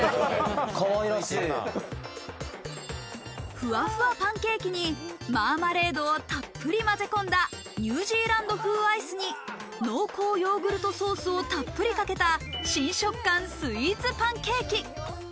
ふわふわパンケーキにマーマレードたっぷりまぜ込んだニュージーランド風アイスに濃厚ヨーグルトソースをたっぷりかけた新食感スイーツパンケーキ。